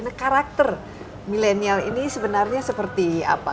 nah karakter milenial ini sebenarnya seperti apa